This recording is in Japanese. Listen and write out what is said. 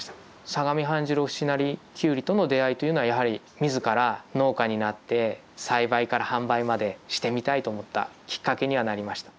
相模半白節成キュウリとの出会いというのはやはり自ら農家になって栽培から販売までしてみたいと思ったきっかけにはなりました。